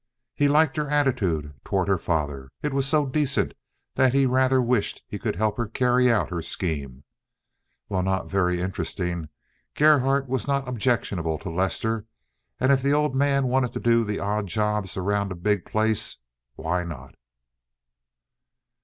He liked her attitude toward her father. It was so decent that he rather wished he could help her carry out her scheme. While not very interesting, Gerhardt was not objectionable to Lester, and if the old man wanted to do the odd jobs around a big place, why not?